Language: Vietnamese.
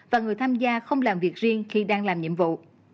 và người tham gia không làm việc riêng khi đang làm nhiệm vụ